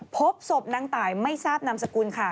พบศพนางตายไม่ทราบนามสกุลค่ะ